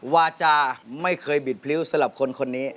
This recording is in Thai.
วาจาไม่เคยบิดพลิ้วสำหรับคนนี้